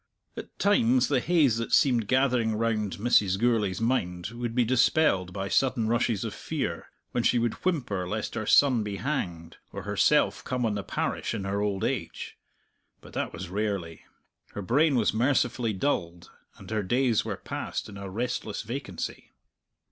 At times the haze that seemed gathering round Mrs. Gourlay's mind would be dispelled by sudden rushes of fear, when she would whimper lest her son be hanged, or herself come on the parish in her old age. But that was rarely. Her brain was mercifully dulled, and her days were passed in a restless vacancy.